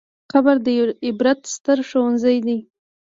قبر د عبرت ستر ښوونځی دی.